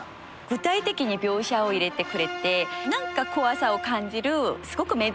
具体的に描写を入れてくれて何か怖さを感じるすごく珍しい歌ができたなって。